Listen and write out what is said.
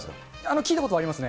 聞いたことはありますね。